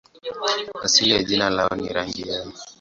Asili ya jina lao ni rangi yao.